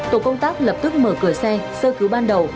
tổ công tác lập tức mở cửa xe sơ cứu ban đầu